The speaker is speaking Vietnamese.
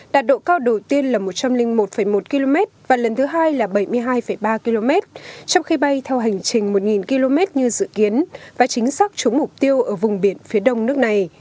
đạt độ cao đầu tiên là một trăm linh một một km và lần thứ hai là bảy mươi hai ba km trong khi bay theo hành trình một km như dự kiến và chính xác chống mục tiêu ở vùng biển phía đông nước này